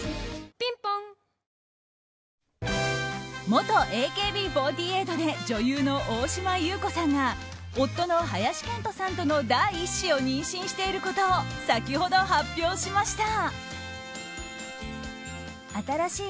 元ＡＫＢ４８で女優の大島優子さんが夫の林遣都さんとの第１子を妊娠していることを先ほど発表しました。